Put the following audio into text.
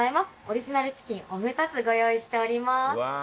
オリジナルチキンお二つご用意しております。